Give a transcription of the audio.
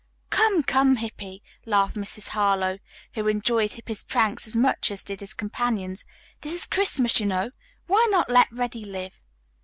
"Come, come, Hippy," laughed Mrs. Harlowe, who enjoyed Hippy's pranks as much as did his companions, "this is Christmas, you know. Why not let Reddy live?"